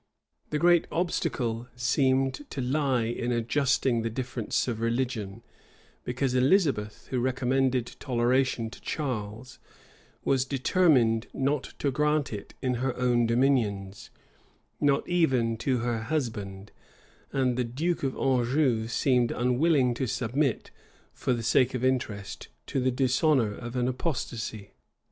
The great obstacle seemed to lie in adjusting the difference of religion; because Elizabeth, who recommended toleration to Charles, was determined not to grant it in her own dominions, not even to her husband; and the duke of Anjou seemed unwilling to submit, for the sake of interest, to the dishonor of an apostasy.